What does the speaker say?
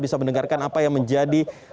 bisa mendengarkan apa yang menjadi